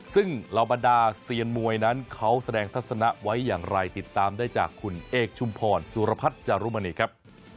ซึ่งเหล่าบรรดาเซียนมวยนั้นเขาแสดงทัศนะไว้อย่างไรติดตามได้จากคุณเอกชุมพรสุรพัฒน์จารุมณีครับ